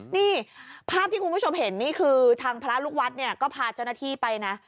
นี่ภาพที่คุณผู้ชมเห็นนี่คือทางพระลูกวัดเนี่ยก็พาเจ้าหน้าที่ไปนะ